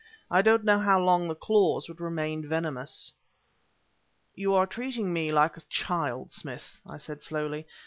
I don't know how long the claws would remain venomous." "You are treating me like a child, Smith," I said slowly.